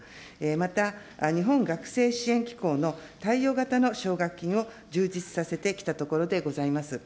また日本学生支援機構の貸与型の奨学金を充実させてきたところでございます。